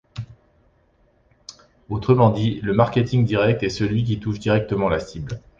Autrement dit, le marketing direct est celui qui touche directement la cible.